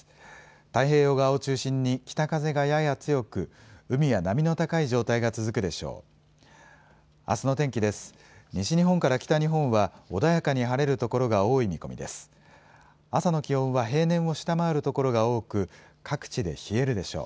太平洋側を中心に北風がやや強く海は波の高い状態が続くでしょう。